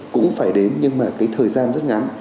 cũng phải đến nhưng mà cái thời gian rất ngắn